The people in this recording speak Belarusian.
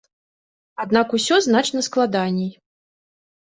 Аднак усё значна складаней.